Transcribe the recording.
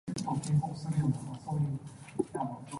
心光盲人院暨學校副院長黃君寶校長